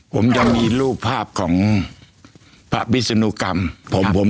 ผมยังมีรูปภาพของพระพิศนุกรรม